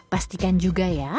pastikan juga ya